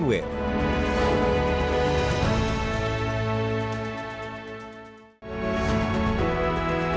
biar tidak dicacau pada penyelesaiannya